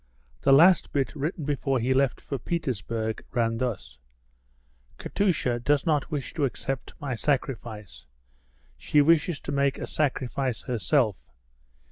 The last bit written before he left for Petersburg ran thus: "Katusha does not wish to accept my sacrifice; she wishes to make a sacrifice herself.